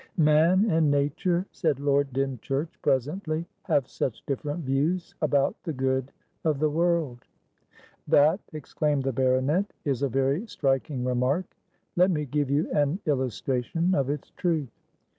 "Man and nature," said Lord Dymchurch presently, "have such different views about the good of the world." "That," exclaimed the baronet, "is a very striking remark. Let me give you an illustration of its truth.